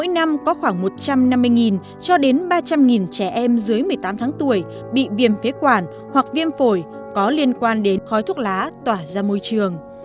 năm có khoảng một trăm năm mươi cho đến ba trăm linh trẻ em dưới một mươi tám tháng tuổi bị viêm phế quản hoặc viêm phổi có liên quan đến khói thuốc lá tỏa ra môi trường